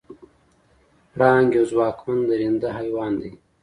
پړانګ یو ځواکمن درنده حیوان دی.